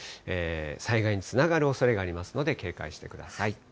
災害につながるおそれがありますので、警戒してください。